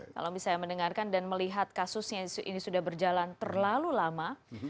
kalau misalnya mendengarkan dan melihat kasusnya ini sudah berjalan terlalu lama